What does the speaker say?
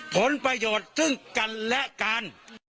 ผลประโยชน์ซึ่งกันและการ